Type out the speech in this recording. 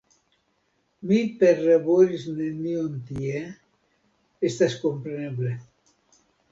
Mi perlaboris nenion tie, estas kompreneble.